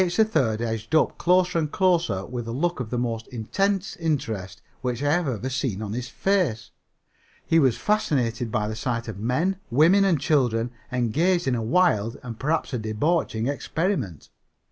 3rd edged up closer and closer with a look of the most intense interest which I have ever seen on his face. He was fascinated by the sight of men, women and children engaged in a wild and, perhaps, a debauching experiment.